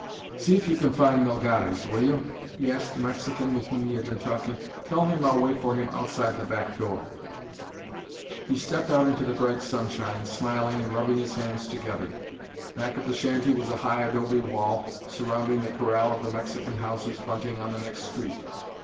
"See if you can find Melgares, will you?" he asked the Mexican with whom he had been talking. "Tell him I'll wait for him outside the back door." He stepped out into the bright sunshine, smiling and rubbing his hands together. Back of the shanty was a high adobe wall surrounding the corral of the Mexican houses fronting on the next street.